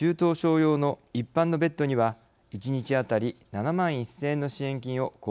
用の一般のベッドには１日当たり７万１，０００円の支援金を交付しています。